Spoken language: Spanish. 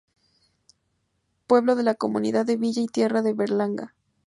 Pueblo de la Comunidad de Villa y Tierra de Berlanga.